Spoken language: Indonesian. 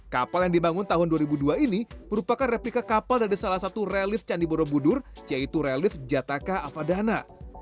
kapal yang dibangun tahun dua ribu dua ini merupakan replika kapal dari salah satu relif candi borobudur yaitu reliv jataka apadana